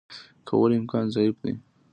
کولو امکان ضعیف دی.